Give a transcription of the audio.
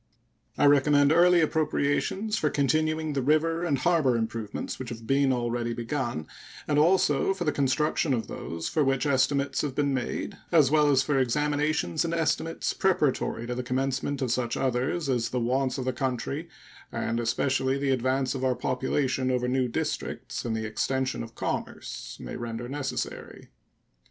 I recommend early appropriations for continuing the river and harbor improvements which have been already begun, and also for the construction of those for which estimates have been made, as well as for examinations and estimates preparatory to the commencement of such others as the wants of the country, and especially the advance of our population over new districts and the extension of commerce, may render necessary.